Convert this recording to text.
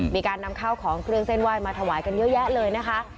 มีการนำข้าวของเครื่องเส้นไหว้มาถวายกันเยอะแยะเลยนะคะ